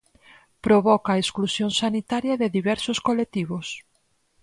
Provoca a exclusión sanitaria de diversos colectivos.